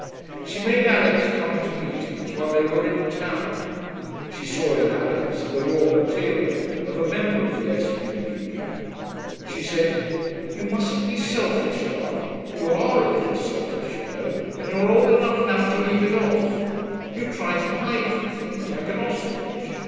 She made Alix come to meetings while they were in town. She saw in Alix the raw material of a member of the S.P.P.P. She said, 'You mustn't be selfish, darling. You are a little selfish, you know, and you're old enough now to leave it off. You try to hide from things, like an ostrich.